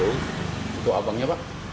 itu abangnya pak